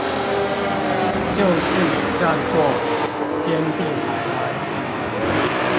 就是以戰迫和，兼併台灣